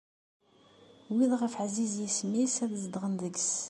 Wid iɣef ɛziz yisem-is ad zedɣen deg-s.